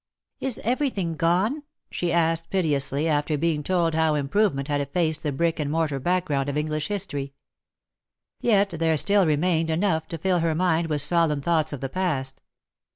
" Is everything gone V^ she asked^ piteously, after being told how improvement had effaced the brick and mortar background of English History. Yet there still remained enough to fill her mind with solemn thoughts of the past.